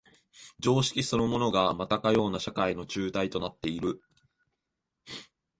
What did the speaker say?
常識そのものがまたかような社会の紐帯となっている。